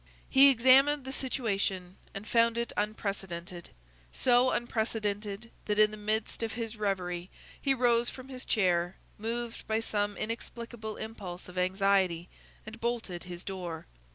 He examined the situation, and found it unprecedented; so unprecedented that in the midst of his reverie he rose from his chair, moved by some inexplicable impulse of anxiety, and bolted his door.